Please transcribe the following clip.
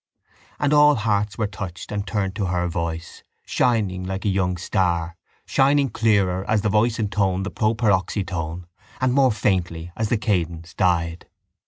_ And all hearts were touched and turned to her voice, shining like a young star, shining clearer as the voice intoned the proparoxyton and more faintly as the cadence died.